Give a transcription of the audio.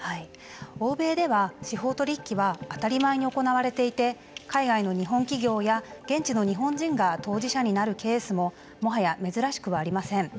欧米では司法取引は当たり前に行われていて海外の日本企業や現地の日本人が当事者になるケースももはや珍しくはありません。